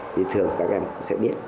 thì thường các em cũng sẽ biết